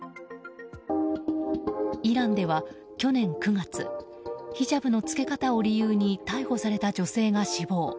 イランでは、去年９月ヒジャブの着け方を理由に逮捕された女性が死亡。